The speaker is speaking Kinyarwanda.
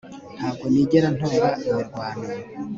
Ntabwo nigera ntora imirwano